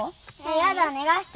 やだ逃がして。